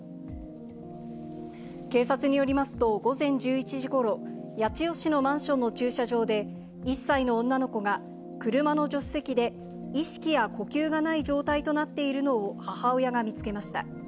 警察によりますと、午前１１時ごろ、八千代市のマンションの駐車場で、１歳の女の子が車の助手席で、意識や呼吸がない状態となっているのを、母親が見つけました。